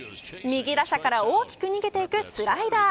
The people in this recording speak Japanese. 右打者から大きく逃げていくスライダー。